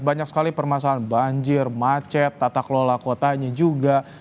banyak sekali permasalahan banjir macet tata kelola kotanya juga